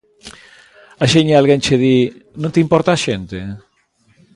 Axiña alguén che di: non te importa a xente?